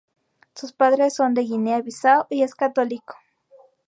Sus padres son de Guinea-Bissau y es católico.